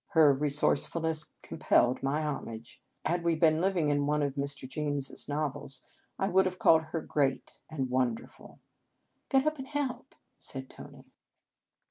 Her resourceful ness compelled my homage. Had we been living in one of Mr. James s nov els, I should have called her " great " and " wonderful." " Get up and help," said Tony.